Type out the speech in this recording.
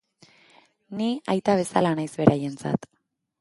Ni aita bezala naiz beraientzat.